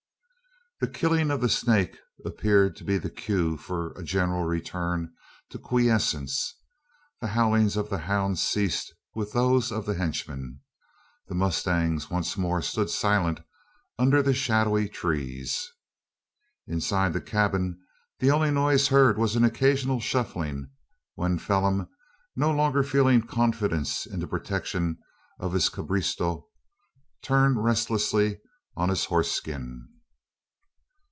The killing of the snake appeared to be the cue for a general return to quiescence. The howlings of the hound ceased with those of the henchman. The mustangs once more stood silent under the shadowy trees. Inside the cabin the only noise heard was an occasional shuffling, when Phelim, no longer feeling confidence in the protection of his cabriesto, turned restlessly on his horseskin.